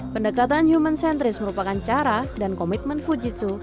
pendekatan human centris merupakan cara dan komitmen fujitsu